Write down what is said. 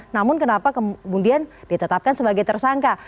namun kenapa kemudian ditetapkan sebagai tersangka